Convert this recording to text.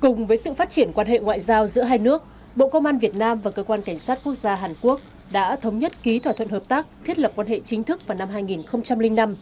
cùng với sự phát triển quan hệ ngoại giao giữa hai nước bộ công an việt nam và cơ quan cảnh sát quốc gia hàn quốc đã thống nhất ký thỏa thuận hợp tác thiết lập quan hệ chính thức vào năm hai nghìn năm